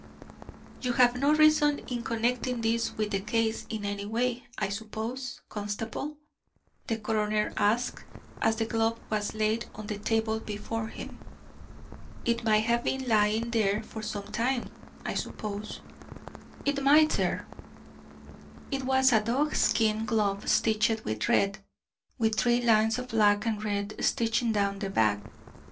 "You have no reason in connecting this with the case in any way, I suppose, constable?" the coroner asked as the glove was laid on the table before him. "It might have been lying there for some time, I suppose." "It might, sir." It was a dog skin glove stitched with red, with three lines of black and red stitching down the back.